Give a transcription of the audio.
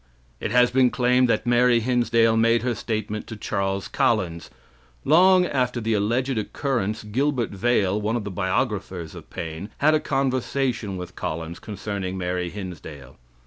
It has been claimed that Mary Hinsdale made her statement to Charles Collins. Long after the alleged occurrence Gilbert Vale, one of the biographers of Paine, had a conversation with Collins concerning Mary Hinsdale.